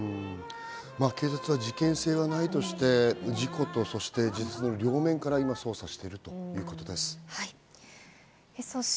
警察は事件性はないとして事故と、そして自殺の両面から捜査しているということです。